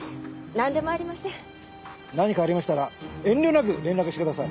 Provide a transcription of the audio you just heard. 何かありましたら遠慮なく連絡してください。